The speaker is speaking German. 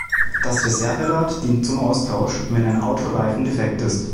Das Reserverad dient zum Austausch, wenn ein Autoreifen defekt ist.